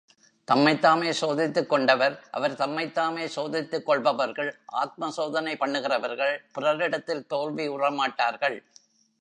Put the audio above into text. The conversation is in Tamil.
தம்மைத்தாமே சோதித்துக் கொண்டவர் அவர் தம்மைத்தாமே சோதித்துக் கொள்பவர்கள், ஆத்ம சோதனை பண்ணுகிறவர்கள், பிறரிடத்தில் தோல்வி உறமாட்டார்கள்.